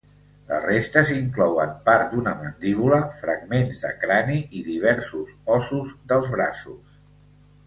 Les restes inclouen part d'una mandíbula, fragments de crani i diversos ossos dels braços.